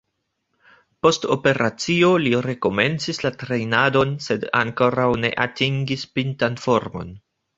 Post operacio li rekomencis la trejnadon sed ankoraŭ ne atingis pintan formon.